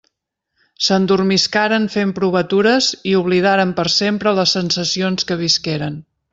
S'endormiscaren fent provatures i oblidaren per sempre les sensacions que visqueren.